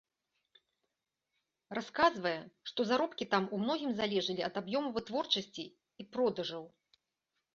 Расказвае, што заробкі там у многім залежалі ад аб'ёму вытворчасці і продажаў.